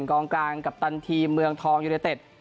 กองกลางกัปตันทีมเมืองทองยูเนเต็ด